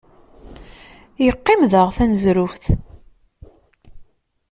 Yeqqim daɣ taneẓruft.